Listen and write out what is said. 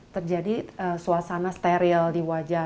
terjadi suasana steril di wajah